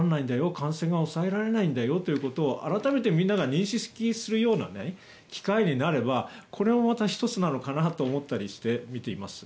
感染が抑えられないんだよということを改めてみんなが認識するような機会になればこれもまた１つなのかなと思ったりして、見ています。